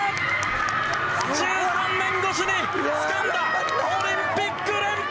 １３年越しにつかんだオリンピック連覇！